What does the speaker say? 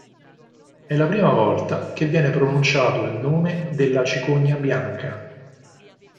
È la prima volta che viene pronunciato il nome della cicogna Bianca.